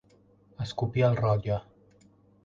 Escopir al rotlle.